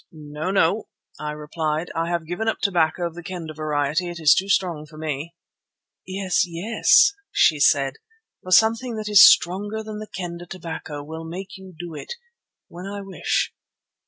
"No, no!" I replied, "I have given up tobacco of the Kendah variety; it is too strong for me." "Yes, yes!" she said, "for something that is stronger than the Kendah tobacco will make you do it—when I wish."